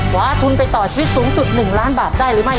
ขวาทุนไปต่อชีวิตสูงสุด๑ล้านบาทได้หรือไม่